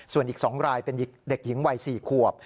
ส่วนอีก๒รายเป็นเด็กหญิงวัย๔ขวบ